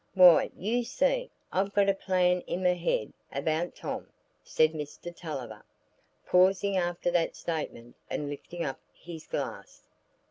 "Why, you see, I've got a plan i' my head about Tom," said Mr Tulliver, pausing after that statement and lifting up his glass.